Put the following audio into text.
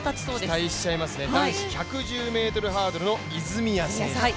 期待しちゃいますね、男子１１０ｍハードルの泉谷選手です。